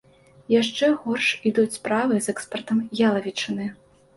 Яшчэ горш ідуць справы з экспартам ялавічыны.